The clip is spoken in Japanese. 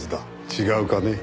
違うかね？